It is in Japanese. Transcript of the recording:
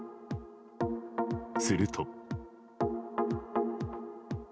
すると。